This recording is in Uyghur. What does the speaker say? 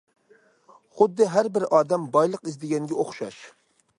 خۇددى ھەر بىر ئادەم بايلىق ئىزدىگەنگە ئوخشاش.